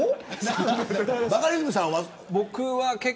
バカリズムさんは。